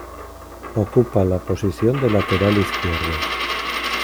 Ocupa la posición de lateral izquierdo.